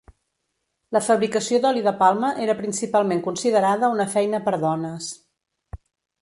La fabricació d'oli de palma era principalment considerada una feina per dones.